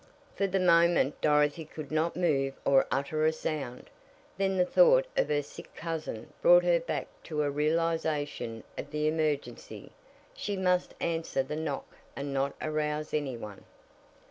For the moment Dorothy could not move or utter a sound. Then the thought of her sick cousin brought her back to a realization of the emergency. She must answer the knock and not arouse any one.